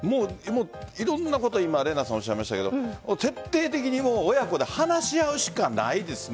いろんなことをおっしゃいましたが徹底的に親子で話し合うしかないですね。